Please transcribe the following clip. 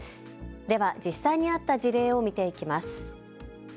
では実際にあった事例を見ていきます。